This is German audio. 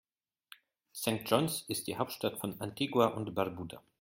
St. John’s ist die Hauptstadt von Antigua und Barbuda.